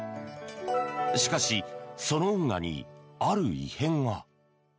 しかし、その運河にある異変が。